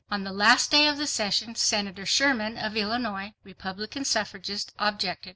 On the last day of the session, Senator Sherman of Illinois, Republican suffragist, objected.